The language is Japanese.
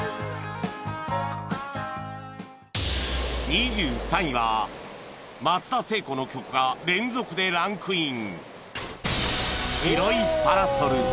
２３位は松田聖子の曲が連続でランクイン